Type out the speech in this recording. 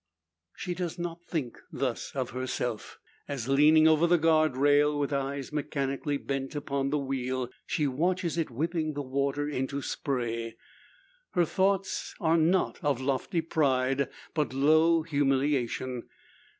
She does not think thus of herself, as, leaning over the guard rail, with eyes mechanically bent upon the wheel, she watches it whipping the water into spray. Her thoughts are not of lofty pride, but low humiliation.